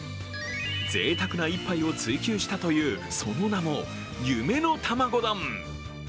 ぜいたくな一杯を追求したというその名も夢の卵丼。